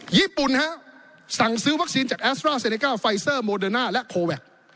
ญี่ปุ่นฮะสั่งซื้อวัคซีนจากแอสตราเซเนก้าไฟเซอร์โมเดอร์น่าและโคแวค